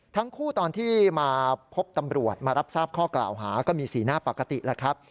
ทั้งคู่ตอนที่มาพบตำรวจมารับทราบข้อกล่าวหาก็มีสีหน้าปกติแล้วครับ